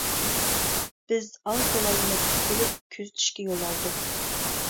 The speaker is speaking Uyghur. بىز ئاز تولا يېمەكلىك ئېلىپ، كۆزىتىشكە يول ئالدۇق.